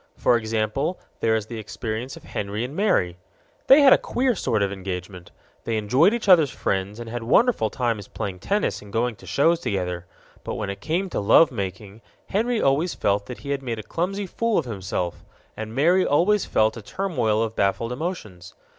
For example, there is the experience of Henry and Mary. They had a queer sort of engagement. They enjoyed each other's friends and had wonderful times playing tennis and going to shows together. But when it came to love making, Henry always felt that he had made a clumsy fool of himself, and Mary always felt a turmoil of baffled emotions.